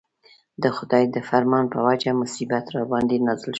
د خدای د فرمان په وجه مصیبت راباندې نازل شو.